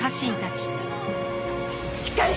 しっかり！